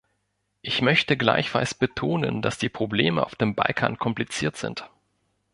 Ich möchte gleichfalls betonen, dass die Probleme auf dem Balkan kompliziert sind.